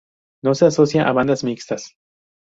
No se asocia a bandadas mixtas.